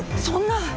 そんな！？